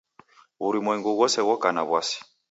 W'urumwengu ghose ghoka na w'asi.